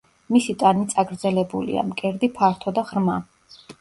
მისი ტანი წაგრძელებულია, მკერდი ფართო და ღრმა.